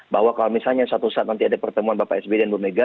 bahwa kalau misalnya suatu saat nanti ada pertemuan bapak sby dan bu mega